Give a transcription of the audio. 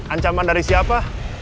ancaman dari siapa